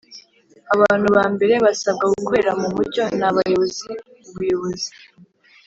abantu ba mbere basabwa gukorera mu mucyo ni abayobozi. ubuyobozi